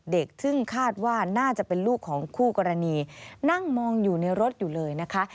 เด็กซึ่งคาดว่าน่าจะเป็นลูกของคู่กรณีนั่งมองอยู่ในรถอยู่เลยนะคะ